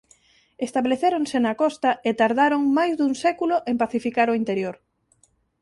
Establecéronse na costa e tardaron máis dun século en pacificar o interior.